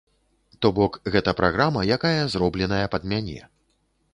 То бок, гэта праграма, якая зробленая пад мяне.